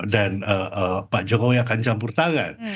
dan pak jokowi akan campur tangan